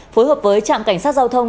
phối hợp với trạm cảnh sát giao thông